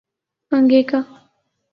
Angika